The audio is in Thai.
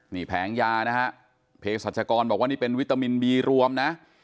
นี่แผงยานะฮะเพศรัชกรบอกว่านี่เป็นวิตามินบีรวมนะ